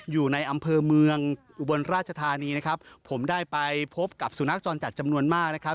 อยู่ในอำเภอเมืองอุบลราชธานีนะครับผมได้ไปพบกับสุนัขจรจัดจำนวนมากนะครับ